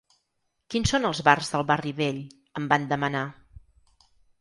“Quins són els bars del barri vell?”, em van demanar.